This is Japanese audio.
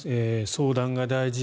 相談が大事